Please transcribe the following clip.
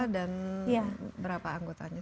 dan berapa anggotanya